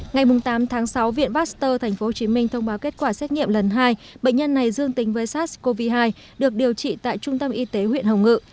ngày tám tháng sáu viện pasteur tp hcm thông báo kết quả xét nghiệm lần hai bệnh nhân này dương tính với sars cov hai được điều trị tại trung tâm y tế huyện hồng ngự